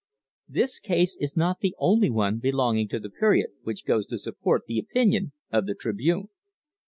This case is not the only one belonging to the period which goes to support the opinion of the Tribune.